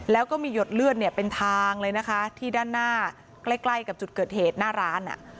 แล้วก็มีหยดเลือดเนี่ยเป็นทางเลยนะคะที่ด้านหน้าใกล้ใกล้กับจุดเกิดเหตุหน้าร้าน